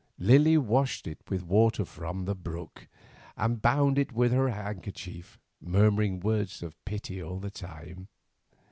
Lily washed it with water from the brook, and bound it with her kerchief, murmuring words of pity all the while.